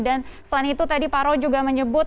dan selain itu tadi pak roy juga menyebut